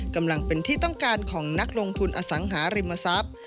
กำลังเป็นที่ต้องการของนักลงทุนอสังหาริมทรัพย์